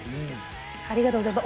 ありがとうございます。